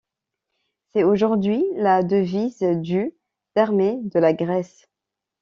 C'est aujourd'hui la devise du d'armée de la Grèce.